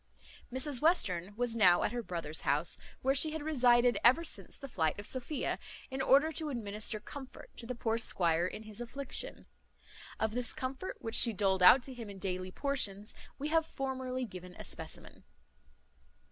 Mrs Western was now at her brother's house, where she had resided ever since the flight of Sophia, in order to administer comfort to the poor squire in his affliction. Of this comfort, which she doled out to him in daily portions, we have formerly given a specimen.